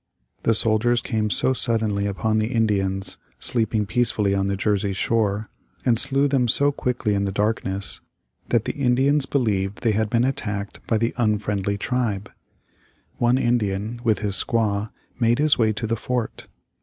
The soldiers came so suddenly upon the Indians, sleeping peacefully on the Jersey shore, and slew them so quickly in the darkness, that the Indians believed they had been attacked by the unfriendly tribe. One Indian, with his squaw, made his way to the fort.